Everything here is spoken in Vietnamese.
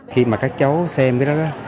khi mà các cháu xem cái đó